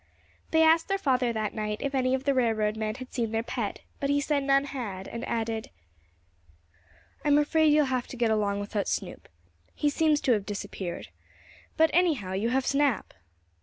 They asked their father that night if any of the railroad men had seen their pet, but he said none had, and added: "I'm afraid you'll have to get along without Snoop. He seems to have disappeared. But, anyhow, you have Snap."